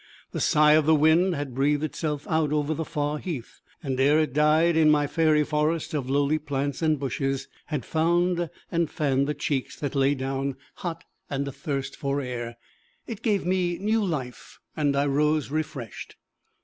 The sigh of the wind had breathed itself out over the far heath, and ere it died in my fairy forest of lowly plants and bushes, had found and fanned the cheeks that lay down hot and athirst for air. It gave me new life, and I rose refreshed.